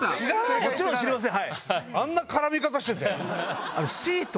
もちろん知りません。